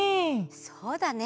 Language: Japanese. そうだね！